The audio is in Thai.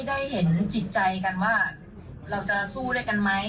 ได้เห็นจิตใจกันว่าเราจะสู้ด้วยกันไหม